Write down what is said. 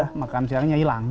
udah makan siangnya hilang